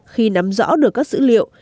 khi nắm rõ được các dữ liệu